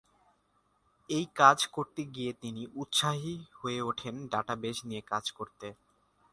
এই কাজ করতে গিয়ে তিনি উৎসাহী হয়ে ওঠেন ডাটাবেজ নিয়ে কাজ করতে।